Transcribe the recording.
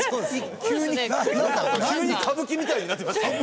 急に急に歌舞伎みたいになってますよ。